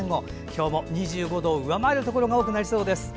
今日も２５度を上回るところが多くなりそうです。